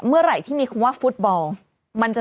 ฉันตกโคนหน่ะ